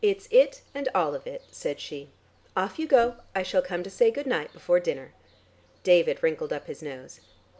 "It's it and all of it," said she. "Off you go. I shall come to say good night before dinner." David wrinkled up his nose.